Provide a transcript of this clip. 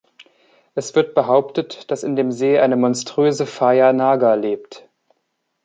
Es wird behauptet, dass in dem See eine monströse Phaya Naga lebt.